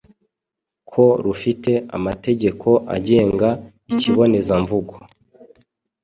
ko rufite amategeko agenga ikibonezamvugo